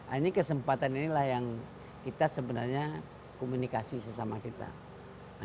ini kesempatan inilah yang kita sebenarnya komunikasi sesama kita